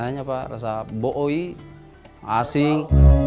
ada hanya rasa bo oi asing